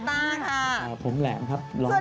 สวัสดีครับพี่แหลมร้องหนัง